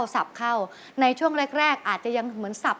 แซคน์ชุงแพเน่ตั้งเอง